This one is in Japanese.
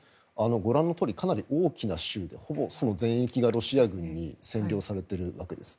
ご覧のとおりかなり大きな州でそのほぼ全域がロシア軍に占領されているわけです。